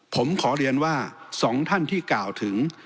ผมขอเรียนว่า๒ท่านที่กล่าวถึง